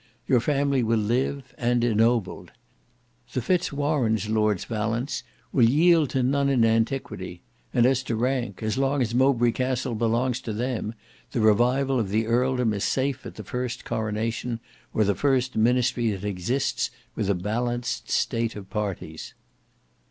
Your family will live, and ennobled. The Fitz Warenes Lords Valence will yield to none in antiquity; and as to rank, as long as Mowbray Castle belongs to them, the revival of the earldom is safe at the first coronation, or the first ministry that exists with a balanced state of parties."